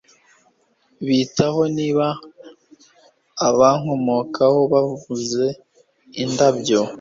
Bite ho niba abankomokaho babuze indabyo